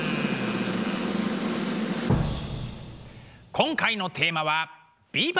今回のテーマは「ビバ！